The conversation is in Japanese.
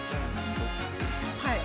はい。